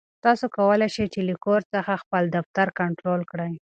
تاسو کولای شئ چې له کور څخه خپل دفتر کنټرول کړئ.